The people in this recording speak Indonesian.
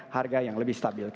harga yang lebih stabil